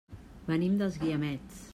Venim dels Guiamets.